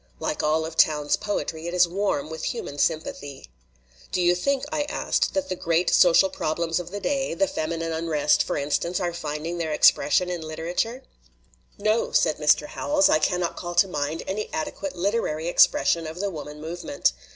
Like all of Towne's poetry, it is warm with human sympathy." "Do you think," I asked, "that the great social problems of the day, the feminine unrest, 13 LITERATURE IN THE MAKING for instance, are finding their expression in litera ture?" "No," said Mr. Howells, "I cannot call to mind any adequate literary expression of the woman movement.